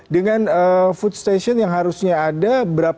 dengan food station yang harusnya ada